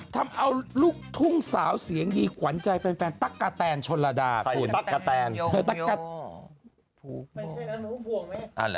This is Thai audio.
ทำเอาลูกทุ่งสาวเสียงดีขวานใจแฟนตักกระแทนชนระดาษ